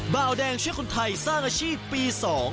บาวแดงช่วยคนไทยสร้างอาชีพปี๒